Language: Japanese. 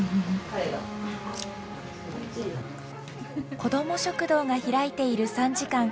こども食堂が開いている３時間。